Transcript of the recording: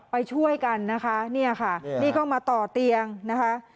ไปช่วยกันนะคะนี่ก็มาต่อเตียงนะคะ